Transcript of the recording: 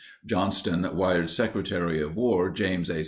Johnston wired Secretary of War James A.